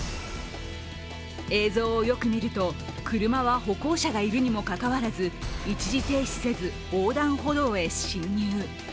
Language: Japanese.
映像をよく見ると、車は歩行者がいるにもかかわらず、一時停止せず、横断歩道へ進入。